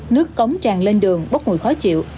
nước cống tràn lên đường bốc mùi khó chịu